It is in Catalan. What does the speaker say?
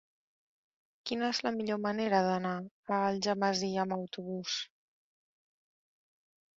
Quina és la millor manera d'anar a Algemesí amb autobús?